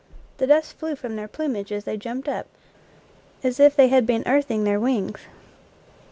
The dust 72 NATURE LEAVES flew from their plumage as they jumped up, as if they had been earthing their wings.